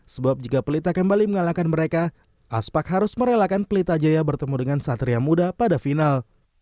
sebab jika pelita kembali mengalahkan mereka aspak harus merelakan pelita jaya bertemu dengan satria muda pada final